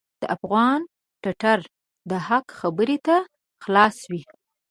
د افغان ټټر د حق خبرې ته خلاص وي.